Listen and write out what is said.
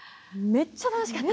めっちゃ楽しかった。